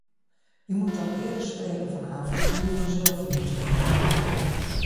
Je moet dan eerder spreken van een avontuur van zelfvernietiging.